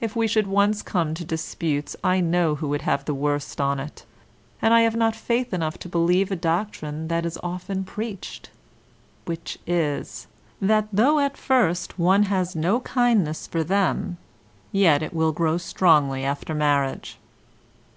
If we should once come to disputes I know who would have the worst on't, and I have not faith enough to believe a doctrine that is often preach'd, which is, that though at first one has no kindness for them, yet it will grow strongly after marriage.